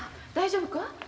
大丈夫か？